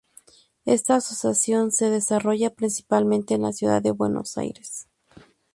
Esta asociación se desarrolla principalmente en la Ciudad de Buenos Aires.